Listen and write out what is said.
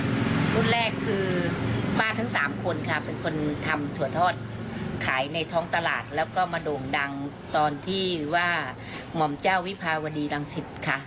รุ่นแรกคือป้าทั้งสามคนค่ะเป็นคนทำถั่วทอดขายในท้องตลาดแล้วก็มาโด่งดังตอนที่ว่าหม่อมเจ้าวิภาวดีรังสิตค่ะ